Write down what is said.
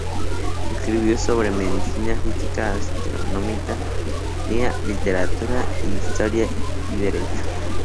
Escribió sobre medicina, física, astronomía, literatura, historia y derecho.